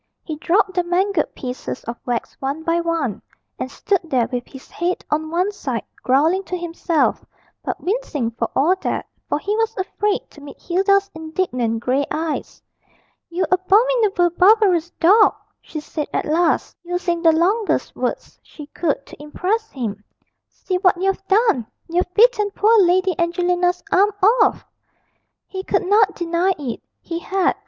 He dropped the mangled pieces of wax one by one, and stood there with his head on one side, growling to himself, but wincing for all that, for he was afraid to meet Hilda's indignant grey eyes. 'You abominable, barbarous dog!' she said at last, using the longest words she could to impress him. 'See what you've done! you've bitten poor Lady Angelina's arm off.' He could not deny it; he had.